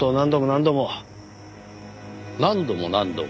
「何度も何度も」。